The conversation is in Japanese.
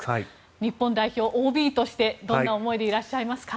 日本代表ＯＢとしてどんな思いでいらっしゃいますか？